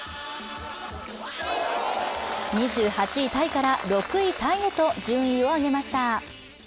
２８位タイから６位タイへと順位を上げました。